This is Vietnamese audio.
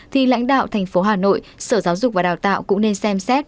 thì lãnh đạo thành phố hà nội sở giáo dục và đào tạo cũng nên xem xét